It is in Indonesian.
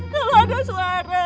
kalau ada suara